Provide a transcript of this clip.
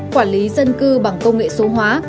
quản lý dân cư bằng công nghệ số hóa